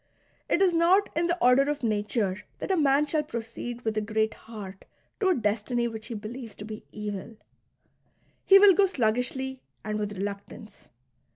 It is not in the order of nature that a man shall proceed with a great heart to a destiny which he believes to be evil ; he will go sluggishly and with reluctance.